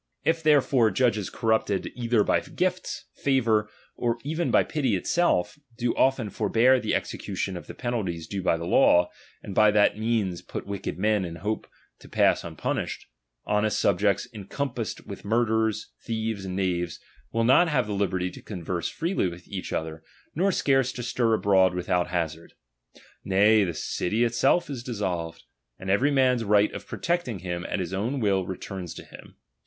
If therefore judges corrupted '^j'"*^'''^ either by gifts, favour, or even by pity itself, do often forbear the execution of the penalties due by the law, and by that means put wicked men in hope to pass unpunished : honest subjects encom passed with murderers, thieves, and knaves, will not have the liberty to converse freely with each other, nor scarce to stir abroad without hazard ; nay, the city itself is dissolved, and every man's right of protecting himself at his own will returns to him.